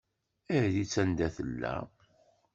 Err-itt anda tella.